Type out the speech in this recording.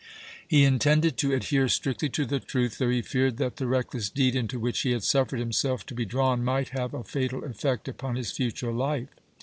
He intended to adhere strictly to the truth, though he feared that the reckless deed into which he had suffered himself to be drawn might have a fatal effect upon his future life.